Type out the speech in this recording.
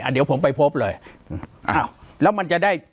ปากกับภาคภูมิ